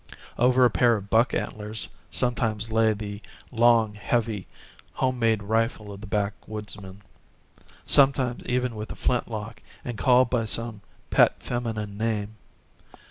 Over a pair of buck antlers sometimes lay the long heavy home made rifle of the backwoodsman sometimes even with a flintlock and called by some pet feminine name.